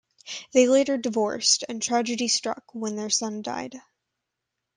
They later divorced and tragedy struck when their son died.